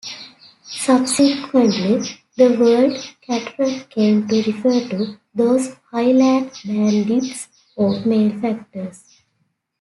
Subsequently, the word 'cateran' came to refer to those Highland bandits or malefactors.